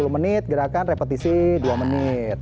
sepuluh menit gerakan repetisi dua menit